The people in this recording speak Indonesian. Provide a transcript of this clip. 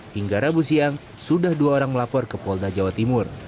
hingga rabu siang sudah dua orang melapor ke polda jawa timur